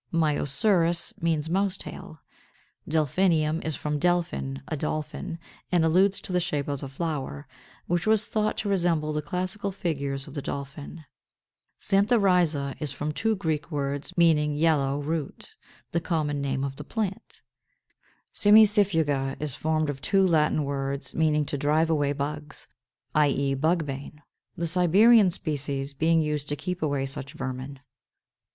Myosurus means mouse tail. Delphinium is from delphin, a dolphin, and alludes to the shape of the flower, which was thought to resemble the classical figures of the dolphin. Xanthorrhiza is from two Greek words meaning yellow root, the common name of the plant. Cimicifuga is formed of two Latin words meaning to drive away bugs, i. e. Bugbane, the Siberian species being used to keep away such vermin.